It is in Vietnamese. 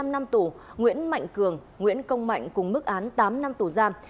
một mươi năm năm tù nguyễn mạnh cường nguyễn công mạnh cùng mức án tám năm tù giam